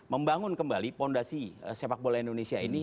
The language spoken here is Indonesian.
membangun kembali fondasi sepak bola indonesia ini